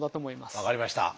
分かりました。